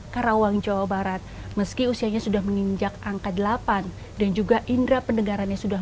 karawang jawa barat meski usianya sudah menginjak angka delapan dan juga indera pendengarannya sudah